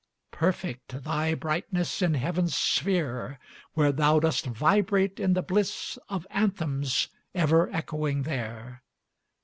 Perfect thy brightness in heaven's sphere, Where thou dost vibrate in the bliss Of anthems ever echoing there!